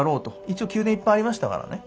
一応宮殿いっぱいありましたらからね。